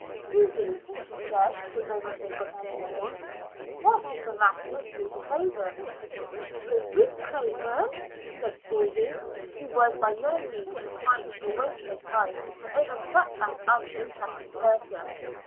"Susy," she said the moment they got out of doors, "what is the matter with Ruth Craven?" "With Ruth Craven?" said Susy, who was by no means inclined to waste her time over such an uninteresting person.